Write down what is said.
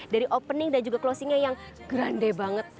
dari opening dan juga closingnya yang grande banget